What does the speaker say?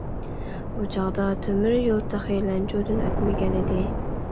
ئۇ چاغدا تۆمۈر يول تېخى لەنجۇدىن ئۆتمىگەنىدى.